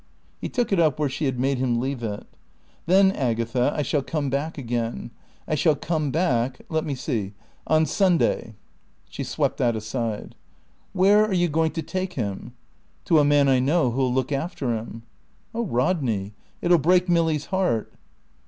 He took it up where she had made him leave it. "Then, Agatha, I shall come back again. I shall come back let me see on Sunday." She swept that aside. "Where are you going to take him?" "To a man I know who'll look after him." "Oh, Rodney, it'll break Milly's heart."